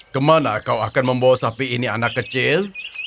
kemana kau akan membawa sapi ini anak kecil